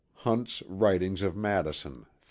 Hunt's Writings of Madison, III.